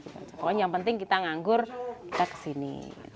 pokoknya yang penting kita nganggur kita kesini